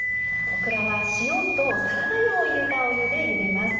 オクラは塩とサラダ油を入れたお湯でゆでます。